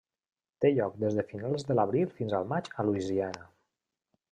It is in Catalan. Té lloc des de finals de l'abril fins al maig a Louisiana.